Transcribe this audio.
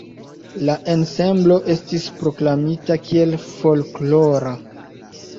La ensemblo estis proklamita kiel folklora.